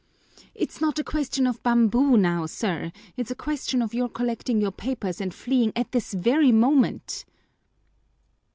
"It's not a question of bamboo now, sir, it's a question of your collecting your papers and fleeing at this very moment."